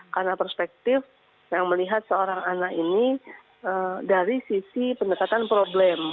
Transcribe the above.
karena perspektif yang melihat seorang anak ini dari sisi pendekatan problem